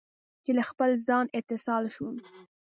چې له خپل ځان، اتصال شوم